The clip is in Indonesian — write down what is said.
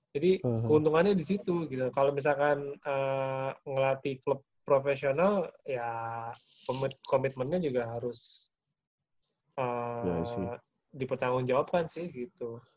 jadi keuntungannya di situ kalau misalkan ngelatih klub profesional ya komitmennya juga harus dipertanggungjawabkan sih gitu